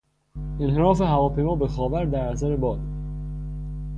انحراف هواپیما به خاور در اثر باد